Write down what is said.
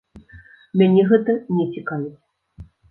Мяне гэта не цікавіць.